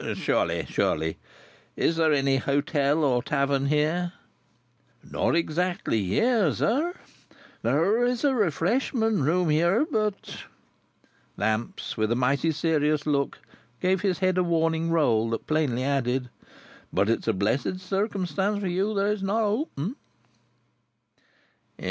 "Surely, surely. Is there any hotel or tavern here?" "Not exactly here, sir. There is a Refreshment Room here, but—" Lamps, with a mighty serious look, gave his head a warning roll that plainly added—"but it's a blessed circumstance for you that it's not open."